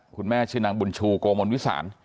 คุณแม่ชื่อนางบุญชูโกมลวิสาน